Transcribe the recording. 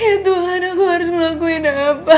ya tuhan aku harus ngelakuin apa